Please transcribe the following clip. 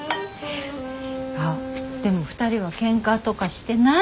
あでも２人はケンカとかしてない？